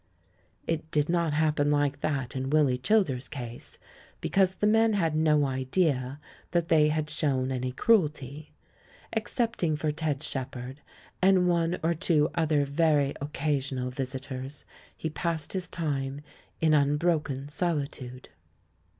It did not happen like that in Willy Childers' case, because the men had no idea that they had shown any cruelty. Except ing for Ted Shepherd, and one or two other very occasional visitors, he passed his time in unbrok en solitude.